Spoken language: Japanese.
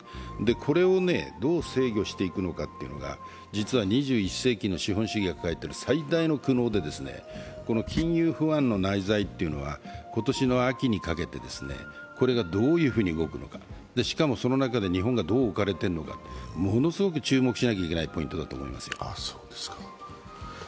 これをどう制御していくのかというのが、実は２１世紀の資本主義が抱えている最大の苦悩で、金融不安の内在というのは今年の秋にかけてこれがどういうふうに動くのかしかも、その中で日本がどう置かれているのか、続きましては中西さん、よろしく。